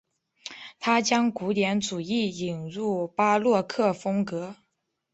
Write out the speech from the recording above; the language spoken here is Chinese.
他将古典主义引入巴洛克风格。